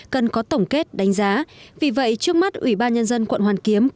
cần có tổng kết đánh giá vì vậy trước mắt ủy ban nhân dân quận hoàn kiếm